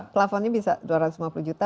plafonnya bisa dua ratus lima puluh juta